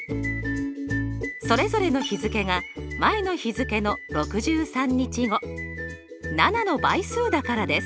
それぞれの日付が前の日付の６３日後７の倍数だからです。